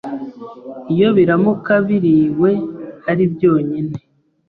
iyo biramuka biriwe ari byonyine.